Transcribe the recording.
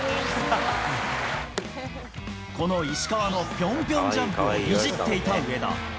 この石川のぴょんぴょんジャンプをいじっていた上田。